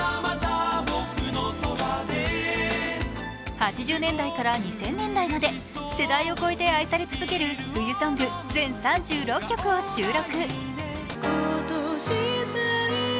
８０年代から２０００年代まで世代を超えて愛され続ける冬ソング全３６曲を収録。